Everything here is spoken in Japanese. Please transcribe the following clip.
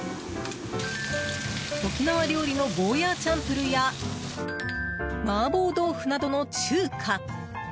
沖縄料理のゴーヤーチャンプルーや麻婆豆腐などの中華。